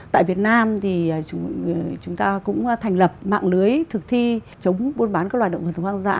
tại việt nam thì chúng ta cũng thành lập mạng lưới thực thi chống buôn bán các loài động vật dụng hoang dã